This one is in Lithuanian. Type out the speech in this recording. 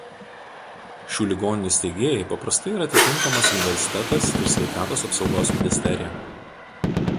Šių ligoninių steigėjai paprastai yra atitinkamas universitetas ir Sveikatos apsaugos ministerija.